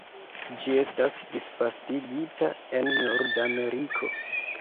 Ĝi estas disvastigita en Nordameriko.